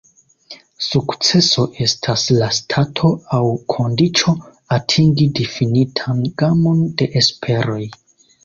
Sukceso estas la stato aŭ kondiĉo atingi difinitan gamon de esperoj.